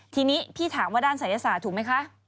ทีนี้พี่ถามว่าด้านศัยศาสตร์ถูกไหมคะ